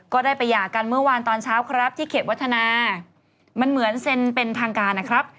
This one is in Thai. ก็ได้ไปหย่ากันเมื่อวานตอนเช้าครับที่เขตวัฒนามันเหมือนเซ็นเป็นทางการนะครับ